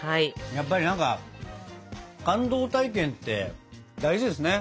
やっぱり何か感動体験って大事ですね。